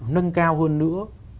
nâng cao hơn nữa